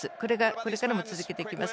これからも続けていきます。